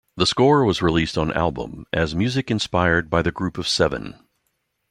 That score was released on album as "Music Inspired by the Group of Seven".